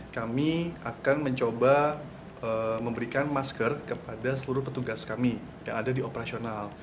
kami akan mencoba memberikan masker kepada seluruh petugas kami yang ada di operasional